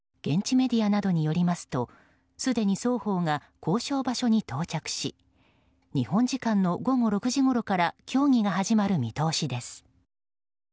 現地メディアなどによりますとすでに双方が交渉場所に到着し日本時間の午後６時ごろから協議が始まる見通しです。